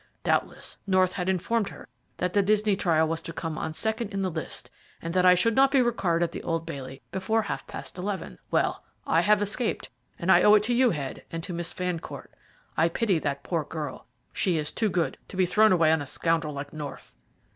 Doubtless, North had informed her that the Disney trial was to come on second in the list, and that I should not be required at the Old Bailey before half past eleven. Well, I have escaped, and I owe it to you, Head, and to Miss Fancourt. I pity that poor girl; she is too good to be thrown away on a scoundrel like North."